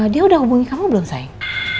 dia udah hubungi kamu belum sayang